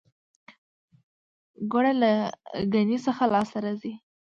ګوړه له ګني څخه لاسته راځي